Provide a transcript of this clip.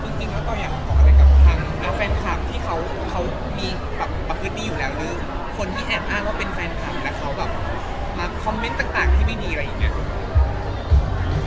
คือจริงก็ต้องอย่างบอกอะไรกับทางแฟนคาร์มที่เขามีประเภทดีอยู่แล้วหรือคนที่แอบอ้างว่าเป็นแฟนคาร์มแต่เขามาคอมเม้นต์ต่างที่ไม่ดีอะไรอย่างนี้